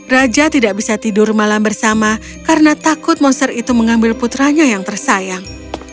raja tidak bisa tidur malam bersama karena takut monster itu mengambil putranya yang tersayang